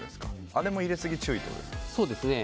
あれも入れすぎ注意ってことですか。